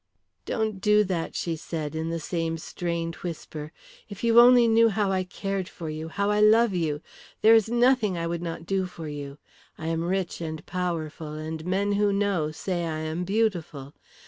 "Don't do that," she said, in the same strained whisper. "If you only knew how I cared for you, how I love you. There is nothing I would not do for you! I am rich and powerful, and men who know say I am beautiful.